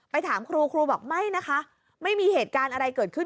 ถามครูครูบอกไม่นะคะไม่มีเหตุการณ์อะไรเกิดขึ้น